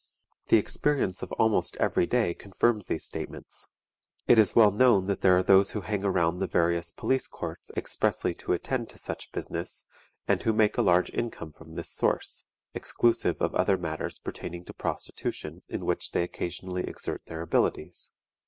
The experience of almost every day confirms these statements. It is well known that there are those who hang around the various police courts expressly to attend to such business, and who make a large income from this source, exclusive of other matters pertaining to prostitution in which they occasionally exert their abilities.